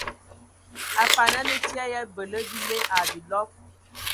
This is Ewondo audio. Afan a nə fyƐ ya ebələ bile ai bilɔg.